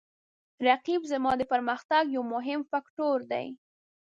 رقیب زما د پرمختګ یو مهم فکتور دی